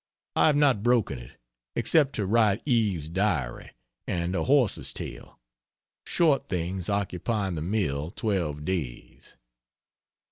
I have not broken it, except to write "Eve's Diary" and "A Horse's Tale" short things occupying the mill 12 days.